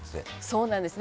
「そうなんです。